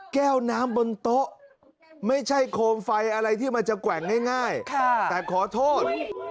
แก้วน้ำบนโต๊ะไม่ใช่โคมไฟอะไรที่มันจะแกว่งง่ายแต่ขอโทษ